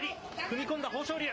踏み込んだ、豊昇龍。